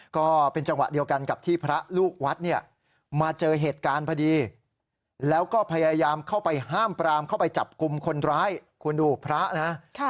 ก็เป็นจังหวะเดียวกันกับที่พระลูกวัดเนี่ยมาเจอเหตุการณ์พอดีแล้วก็พยายามเข้าไปห้ามปรามเข้าไปจับกลุ่มคนร้ายคุณดูพระนะ